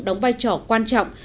đóng vai trò quan trọng